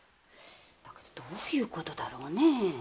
どういうことだろねえ？